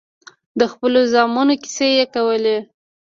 د خپلو زامنو کيسې يې کولې.